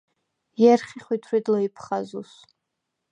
ჲერხი ხვითვრიდ ლჷჲფხაზუს.